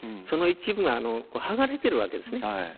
その一部が剥がれてるわけですね。